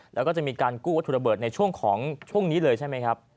แล้วก็จะมีการกู้วัตถุระเบิดในช่วงของช่วงนี้เลยใช่ไหมครับ